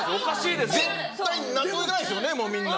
絶対に納得いかないですよねみんな。